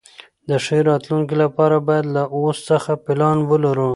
د ښې راتلونکي لپاره باید له اوس څخه پلان ولرو.